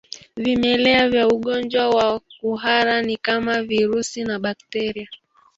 Vimelea vya ugonjwa wa kuhara ni kama virusi na bakteria